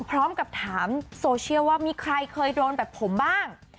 พร้อมกับถามโซเชียลว่ามีใครเคยโดนแบบผมบ้าง